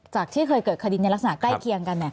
ที่เคยเกิดคดีในลักษณะใกล้เคียงกัน